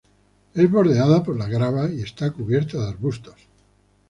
Es bordeada por la grava y está cubierta de arbustos.